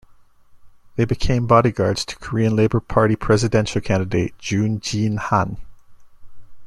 They became bodyguards to Korean Labour Party presidential candidate Jun Jin-Han.